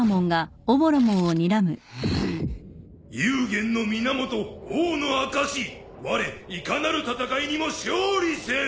幽玄の源王の証しわれいかなる戦いにも勝利せん！